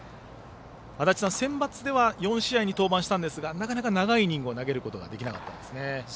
足達さん、センバツでは４試合に登板したんですがなかなか長いイニングを投げることができなかったんです。